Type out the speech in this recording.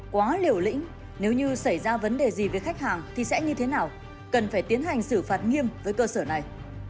quá liều lĩnh nếu như xảy ra vấn đề gì với khách hàng thì sẽ như thế nào cần phải tiến hành xử phạt nghiêm với cơ sở này